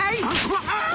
わっ！